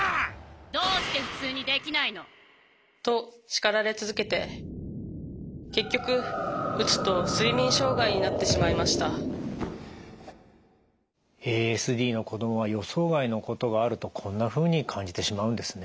どうして普通にできないの？と叱られ続けて結局うつと睡眠障害になってしまいましたＡＳＤの子どもは予想外のことがあるとこんなふうに感じてしまうんですね。